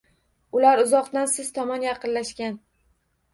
Ular uzoqdan siz tomon yaqinlashgan